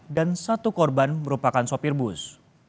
dan satu korban merupakan sopir bus